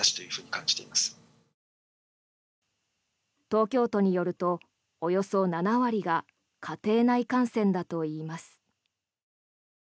東京都によると、およそ７割が家庭内感染だといいます。